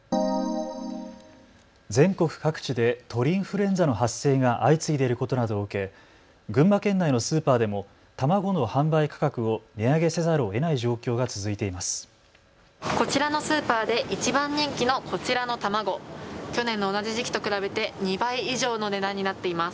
全国各地で鳥インフルエンザの発生が相次いでいることなどを受け群馬県内のスーパーでも卵の販売価格を値上げせざるをえない状況が続いています。